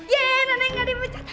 yeay nenek gak dipecat